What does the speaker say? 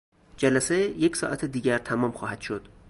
جلسه یک ساعت دیگر تمام خواهد شد.